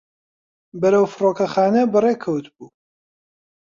بەرەو فڕۆکەخانە بەڕێکەوتبوو.